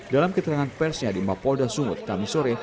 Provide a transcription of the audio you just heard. dalam keterangan versinya di mabolda sumut kamisore